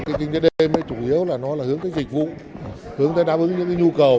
kinh tế đêm chủ yếu là nó hướng tới dịch vụ hướng tới đáp ứng những nhu cầu